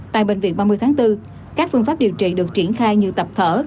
tại bệnh viện ba mươi tháng bốn các phương pháp điều trị được triển khai như tập thở